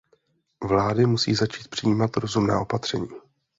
Vlády musí začít přijímat rozumná opatření.